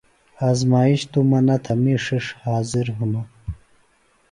آزمائش توۡ مہ تھہ می ݜِݜ حاضر ہِنوۡ۔